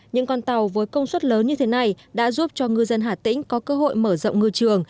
những con tàu với công suất lớn như thế này đã giúp cho ngư dân hà tĩnh có cơ hội mở rộng ngư trường